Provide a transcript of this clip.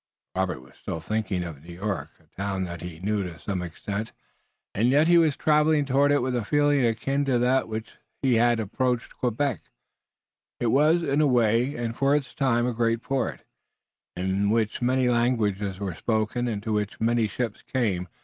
Robert was still thinking of New York, a town that he knew to some extent, and yet he was traveling toward it with a feeling akin to that with which he had approached Quebec. It was in a way and for its time a great port, in which many languages were spoken and to which many ships came.